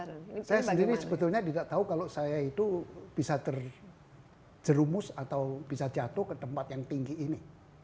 saya sendiri sebetulnya tidak tahu kalau saya itu bisa terjerumus atau bisa jatuh ke tempat yang tinggi ini